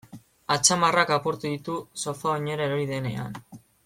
Atzamarrak apurtu ditu sofa oinera erori denean.